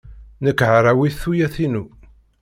Nekk hrawit tuyat-inu.